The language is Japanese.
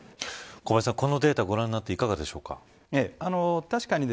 小林さん、このデータをご覧になっていかがですか。